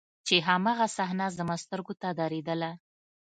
چې هماغه صحنه زما سترګو ته درېدله.